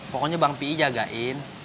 pokoknya bang pi jagain